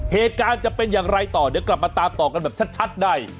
เหตุการณ์จะเป็นอย่างไรต่อเดี๋ยวกลับมาตามต่อกันแบบชัดใน